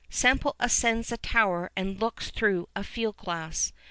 Semple ascends the tower and looks through a field glass.